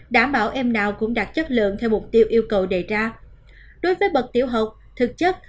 đảm bảo em nào cũng đạt chất lượng theo mục tiêu yêu cầu đề ra đối với bậc tiểu học thực chất